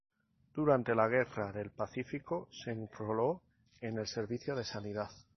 Durante la Guerra del Pacífico se enroló en el servicio de sanidad.